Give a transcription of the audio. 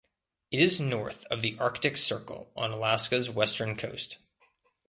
It is north of the Arctic Circle on Alaska's western coast.